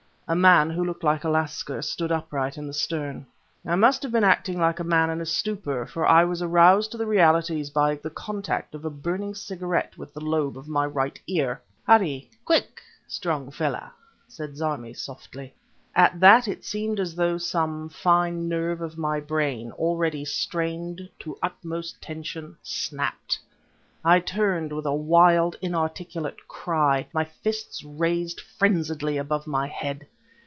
A man who looked like a lascar stood upright in the stern. I must have been acting like a man in a stupor; for I was aroused to the realities by the contact of a burning cigarette with the lobe of my right ear! "Hurry, quick, strong feller!" said Zarmi softly. At that it seemed as though some fine nerve of my brain, already strained to utmost tension, snapped. I turned, with a wild, inarticulate cry, my fists raised frenziedly above my head.